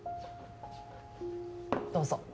どうぞ。